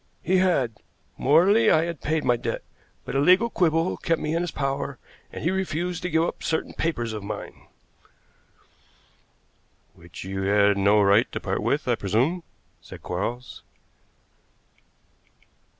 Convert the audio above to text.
"He had. Morally, I had paid my debt, but a legal quibble kept me in his power, and he refused to give up certain papers of mine." "Which you had no right to part with, I presume," said Quarles.